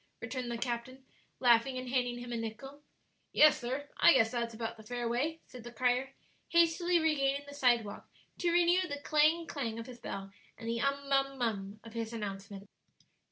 returned the captain, laughing, and handing him a nickel. "Yes, sir; I guess that's about the fair way," said the crier, hastily regaining the sidewalk to renew the clang, clang of his bell and the "um mum mum" of his announcement.